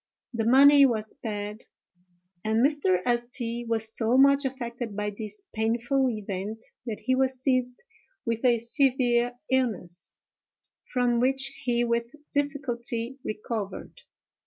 The money was paid; and Mr. St. —— was so much affected by this painful event, that he was seized with a severe illness, from which he with difficulty recovered.